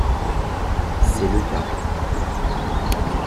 C’est le cas